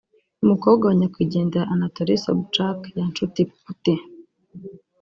umukobwa wa Nyakwigendera Anatoly Sobchak ya nshuti ya Putin